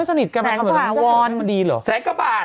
สแสนกว่าบาท